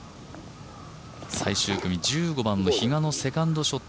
最終組１５番の比嘉のセカンドショット。